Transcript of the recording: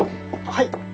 はい！